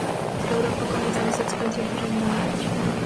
Europa comenzaba su expansión por el mundo.